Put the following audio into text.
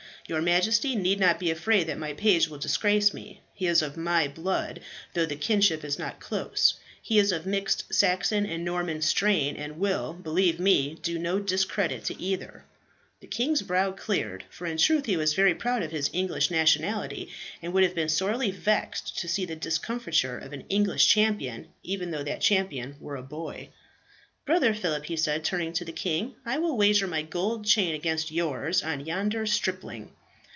Your Majesty need not be afraid that my page will disgrace me. He is of my blood, though the kinship is not close. He is of mixed Saxon and Norman strain, and will, believe me, do no discredit to either." The king's brow cleared, for in truth he was very proud of his English nationality, and would have been sorely vexed to see the discomfiture of an English champion, even though that champion were a boy. "Brother Phillip," he said, turning to the king, "I will wager my gold chain against yours on yonder stripling."